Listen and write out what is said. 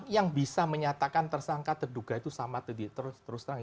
yang bisa menyatakan tersangka terduga itu sama terus terang